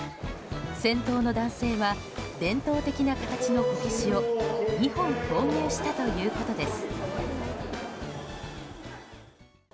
先頭の男性は伝統的な形のこけしを２本購入したということです。